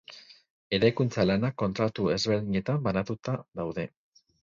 Eraikuntza lanak kontratu ezberdinetan banatuta daude.